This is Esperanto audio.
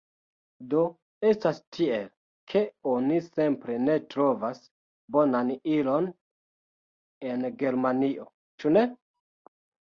Do, estas tiel, ke oni simple ne trovas bonan ilon en Germanio, ĉu ne?